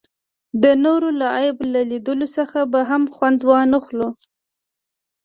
د نورو له عیب له لیدلو څخه به هم خوند وانخلو.